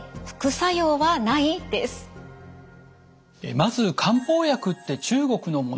まず「漢方薬って中国のもの？」